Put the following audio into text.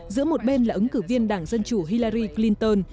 giữa một bên là ứng cử viên đảng dân chủ hillary clinton